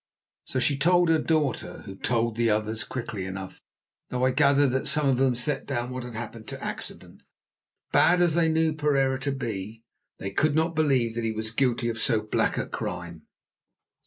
So she told her daughter, who told the others quickly enough, though I gathered that some of them set down what had happened to accident. Bad as they knew Pereira to be, they could not believe that he was guilty of so black a crime.